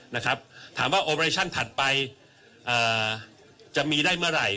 นะครับถามว่าถัดไปเอ่อจะมีได้เมื่อไหร่